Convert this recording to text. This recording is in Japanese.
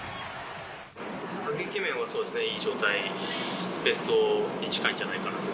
打撃面はそうですね、いい状態、ベストに近いんじゃないかなと。